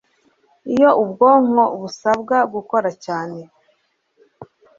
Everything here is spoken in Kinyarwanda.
iyo ubwonko busabwa gukora cyane